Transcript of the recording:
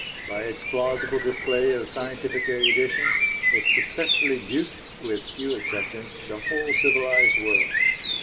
By its plausible display of scientific erudition it successfully duped, with few exceptions, the whole civilised world.